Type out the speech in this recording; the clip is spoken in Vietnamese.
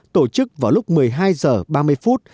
tổ chức vào lúc một mươi hai h ba mươi phút